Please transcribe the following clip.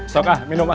sok ah minum mah